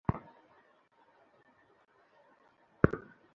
আপনাকে তো আমি আগেই বলছি।